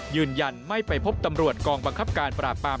ยืนยันไม่ไปพบตำรวจกองบังคับการปราบปราม